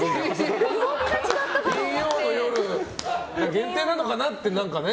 金曜の夜限定なのかなってね。